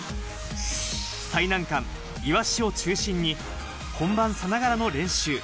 最難関イワシを中心に本番さながらの練習。